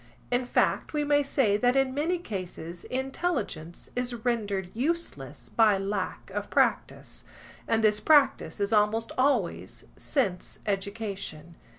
In fact, we may say that in many cases intelligence is rendered useless by lack of practice, and this practice is almost always sense education.